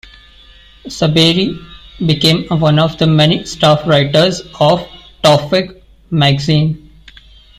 Saberi became one of the many staff writers of "Towfigh" magazine.